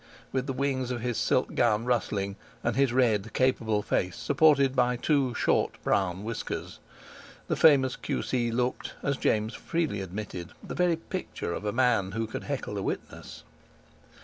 with the wings of his silk gown rustling, and his red, capable face supported by two short, brown whiskers. The famous Q.C. looked, as James freely admitted, the very picture of a man who could heckle a witness.